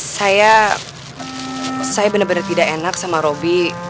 saya saya bener bener tidak enak sama robi